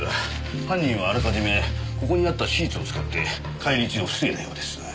犯人はあらかじめここにあったシーツを使って返り血を防いだようです。